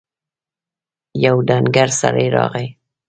يو ډنګر سړی راغی.